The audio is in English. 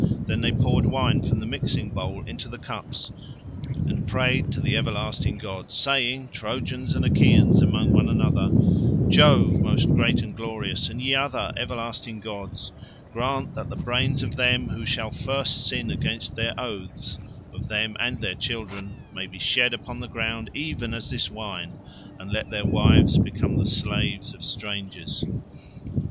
Then they poured wine from the mixing bowl into the cups, and prayed to the everlasting gods, saying, Trojans and Achaeans among one another, "Jove, most great and glorious, and ye other everlasting gods, grant that the brains of them who shall first sin against their oaths—of them and their children—may be shed upon the ground even as this wine, and let their wives become the slaves of strangers."